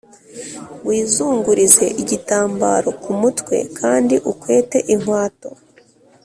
Wizungurize igitambaro ku mutwe kandi ukwete inkwato